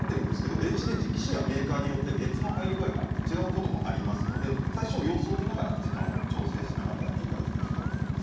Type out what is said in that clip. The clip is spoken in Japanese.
電子レンジは機種やメーカーによって熱の入り具合が違うことがありますので様子を見ながら時間を調整しながらやっていただくといいと思います。